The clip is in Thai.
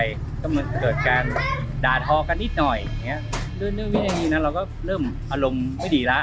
ก็เหมือนเกิดการด่าทอกันนิดหน่อยเรื่องนี้เราก็เริ่มอารมณ์ไม่ดีแล้ว